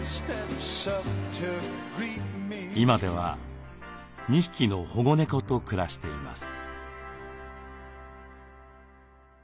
今では２匹の保護猫と暮らしています。